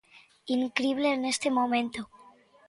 Incrible neste momento.